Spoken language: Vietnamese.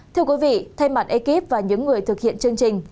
thưa quý vị thay mặt ekip và những người thực hiện chương trình